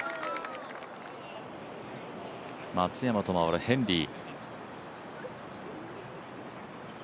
松山と回るヘンリー。